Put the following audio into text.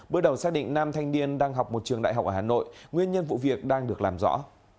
bước đầu xác định nam thanh niên đang học một trường đại học ở hà nội nguyên nhân vụ việc đang được làm rõ